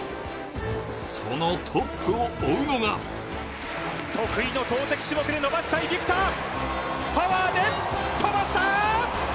そのトップを追うのが得意の投てき種目で伸ばしたいビクター、パワーで飛ばした！